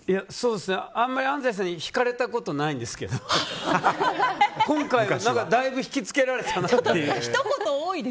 あんまり安西さんにひかれたことないんですけど今回、何かだいぶひきつけられたなっていう。